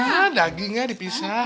ah dagingnya dipisah